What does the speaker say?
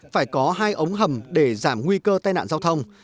phải có hai ống hầm để giảm nguy cơ tai nạn giao thông